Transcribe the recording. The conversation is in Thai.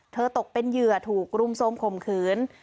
ตกเป็นเหยื่อถูกรุมโทรมข่มขืน